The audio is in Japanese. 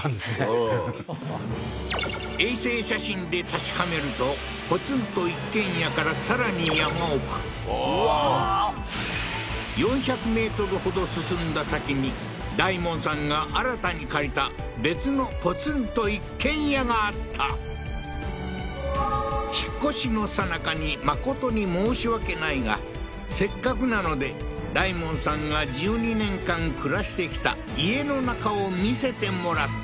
うん衛星写真で確かめるとポツンと一軒家からさらに山奥ああーうわー４００ｍほど進んだ先に大門さんが新たに借りた別のポツンと一軒家があった引っ越しのさなかに誠に申し訳ないがせっかくなので大門さんが１２年間暮らしてきた家の中を見せてもらった